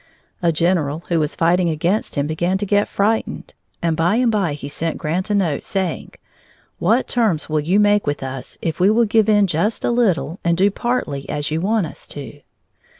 A general who was fighting against him began to get frightened, and by and by he sent Grant a note saying: "What terms will you make with us if we will give in just a little and do partly as you want us to?"